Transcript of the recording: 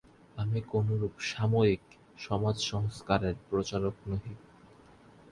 আমি কোনরূপ সাময়িক সমাজসংস্কারের প্রচারক নহি।